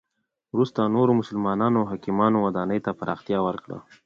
وروسته نورو مسلمانو حاکمانو ودانی ته پراختیا ورکړه.